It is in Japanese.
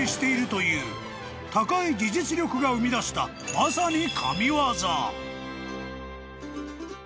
［高い技術力が生み出したまさに］